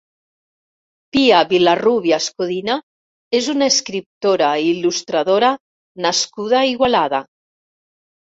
Pia Vilarrubias Codina és una escriptora i il·lustradora nascuda a Igualada.